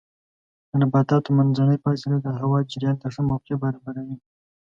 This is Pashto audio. د نباتاتو منځنۍ فاصله د هوا جریان ته ښه موقع برابروي.